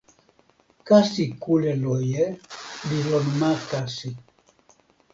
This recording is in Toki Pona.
kasi kule loje li lon ma kasi.